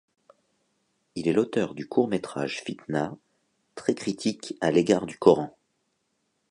Il est l'auteur du court métrage Fitna, très critique à l'égard du Coran.